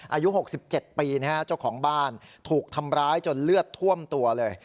อายุหกสิบเจ็ดปีนะฮะเจ้าของบ้านถูกทำร้ายจนเลือดท่วมตัวเลย